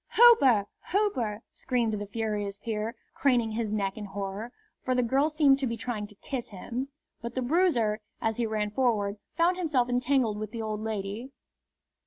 "Hooper! Hooper!" screamed the furious peer, craning his neck in horror, for the girl seemed to be trying to kiss him. But the bruiser, as he ran forward, found himself entangled with the old lady.